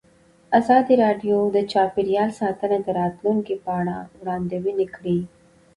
ازادي راډیو د چاپیریال ساتنه د راتلونکې په اړه وړاندوینې کړې.